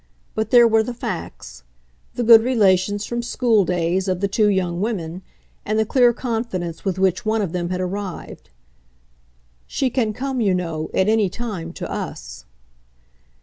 But there were the facts the good relations, from schooldays, of the two young women, and the clear confidence with which one of them had arrived. "She can come, you know, at any time, to US."